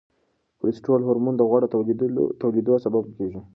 کورتیسول هورمون د غوړو ټولېدو سبب کیږي.